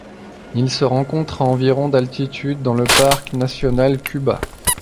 Elle se rencontre à environ d'altitude dans le parc national Kubah.